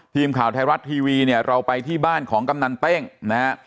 ทีมข่าวไทยรัฐทีวีเนี่ยเราไปที่บ้านของกำนันเต้งนะฮะ